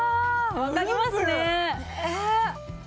わかりますね。